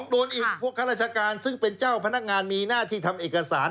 โดนอีกพวกข้าราชการซึ่งเป็นเจ้าพนักงานมีหน้าที่ทำเอกสาร